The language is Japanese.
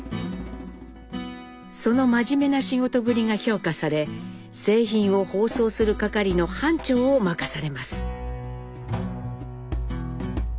その真面目な仕事ぶりが評価され製品を包装する係の班長を任されます。